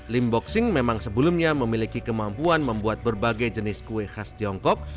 lim boxing memang sebelumnya memiliki kemampuan membuat berbagai jenis kue khas tiongkok